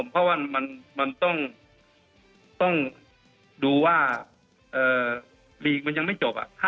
เพราะว่ามันต้องดูว่าลีกมันยังไม่จบ